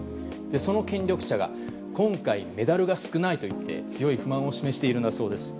その権力者が今回、メダルが少ないと言って強い不満を示しているそうです。